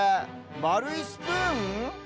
まるいスプーン？